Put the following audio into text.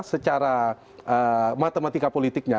secara matematika politiknya